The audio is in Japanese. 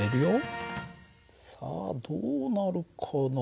さあどうなるかな。